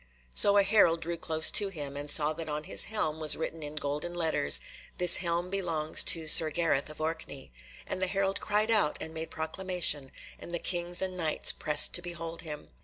So a herald drew close to him, and saw that on his helm was written in golden letters "This helm belongs to Sir Gareth of Orkney"; and the herald cried out and made proclamation, and the Kings and Knights pressed to behold him.